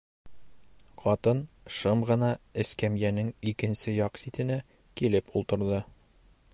Ҡатын шым ғына эскәмйәнең икенсе яҡ ситенә килеп ултырҙы.